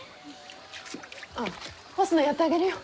あっ干すのやってあげるよ。